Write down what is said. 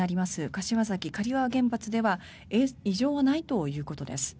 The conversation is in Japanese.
柏崎刈羽原発では異常はないということです。